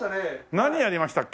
何やりましたっけ？